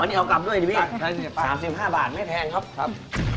วันนี้เอากลับด้วยดิพี่ใช่ใช่ใช่ป่ะสามสิบห้าบาทไม่แทงครับครับ